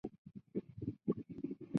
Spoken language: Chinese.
个人专辑合辑